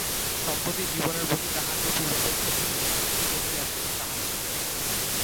সম্প্রতি জীবনের প্রতি তাঁহার যে পূর্বাপেক্ষা বিশেষ আসক্তি জন্মিয়াছে তাহা নহে।